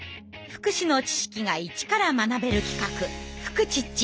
福祉の知識が一から学べる企画「フクチッチ」。